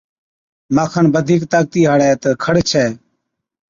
مان کن بڌِيڪ طاقتِي هاڙَي تہ کَڙ ڇَي،